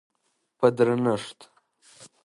په درنښت،